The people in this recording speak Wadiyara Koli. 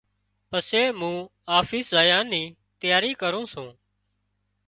پسي مُون آفيس زايا نِي تياري ڪرُون سوُن۔